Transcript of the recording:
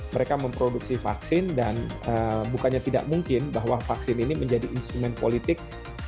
mereka memproduksi vaksin dan bukannya tidak mungkin bahwa vaksin ini menjadi instrumen politik